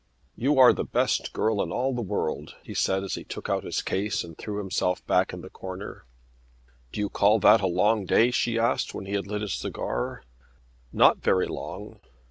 "You are the best girl in all the world," he said as he took out his case and threw himself back in the corner. "Do you call that a long day?" she asked when he had lit his cigar. "Not very long."